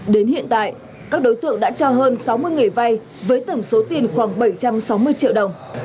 đến hiện tại các đối tượng đã cho hơn sáu mươi người vay với tổng số tiền khoảng bảy trăm sáu mươi triệu đồng